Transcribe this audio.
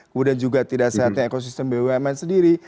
kemudian juga tidak sehatnya ekosistem bumn sendiri